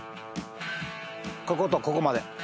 こことここまで。